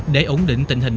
để ổn định tình hình